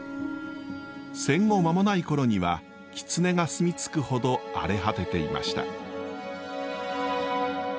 戦後間もない頃にはきつねが住み着くほど荒れ果てていました。